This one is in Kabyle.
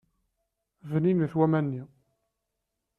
Bninit waman-nni.